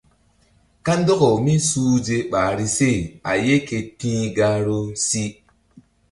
Kandɔkaw mísuhze ɓahri se a ye ke ti̧h gahru si.